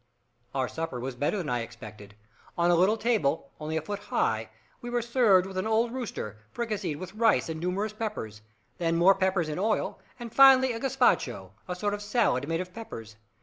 Our supper was better than I expected. On a little table, only a foot high, we were served with an old rooster, fricasseed with rice and numerous peppers, then more peppers in oil, and finally a gaspacho a sort of salad made of peppers.